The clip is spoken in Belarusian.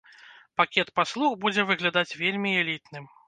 Пакет паслуг будзе выглядаць вельмі элітным.